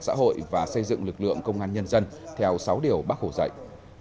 xã hội và xây dựng lực lượng công an nhân dân theo sáu điều bác hồ dạy